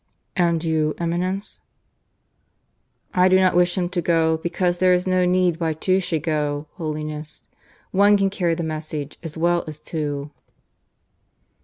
"And you, Eminence?" "I do not wish him to go because there is no need why two should go, Holiness. One can carry the message as well as two."